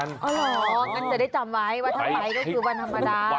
อ๋อหรองั้นจะได้จำไว้ว่าทำไมก็คือวันธรรมดา